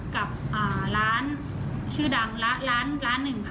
กับร้านชื่อดังร้านหนึ่งค่ะ